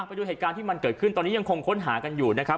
ไปดูเหตุการณ์ที่มันเกิดขึ้นตอนนี้ยังคงค้นหากันอยู่นะครับ